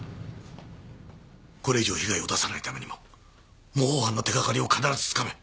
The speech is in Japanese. これ以上被害を出さないためにも模倣犯の手がかりを必ずつかめ。